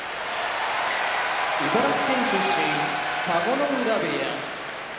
茨城県出身田子ノ浦部屋